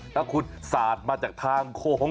ถ้าคุณสาดมาจากทางโค้ง